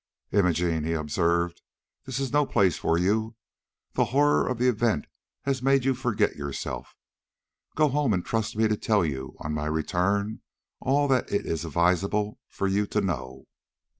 "Imogene," he observed, "this is no place for you; the horror of the event has made you forget yourself; go home and trust me to tell you on my return all that it is advisable for you to know."